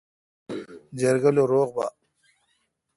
جرگہ لو روغ با۔